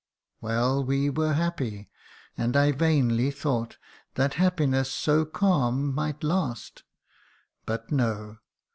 " Well, we were happy ; and I vainly thought That happiness so calm might last but no